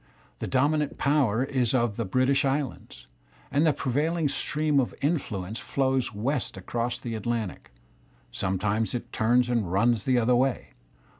TheTj dominant power is on the British Islands, and the prevail y ing stream of influence flows west across the Atlantic! Si\ Sometimes it turns and runs the other way.